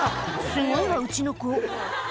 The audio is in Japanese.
「すごいわうちの子」